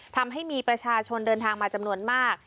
ทำให้มีประชาชนเดินทางมาจำนวนมาก